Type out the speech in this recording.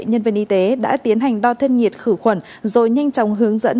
nhân viên y tế đã tiến hành đo thân nhiệt khử khuẩn rồi nhanh chóng hướng dẫn